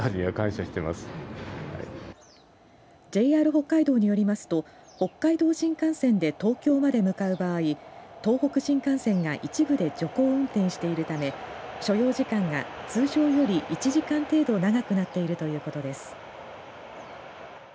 ＪＲ北海道によりますと北海道新幹線で東京まで向かう場合東北新幹線が一部で徐行運転しているため所要時間が通常より１時間程度長くなっているということです。